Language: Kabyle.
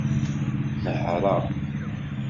Nehṛeɣ.